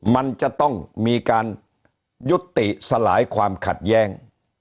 มันจะต้องมีการยุติสลายความขัดแย้ง